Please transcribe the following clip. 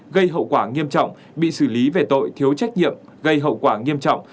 gây hậu quả nghiêm trọng bị xử lý về tội thiếu trách nhiệm gây hậu quả nghiêm trọng